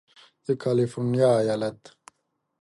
د کالفرنیا ایالت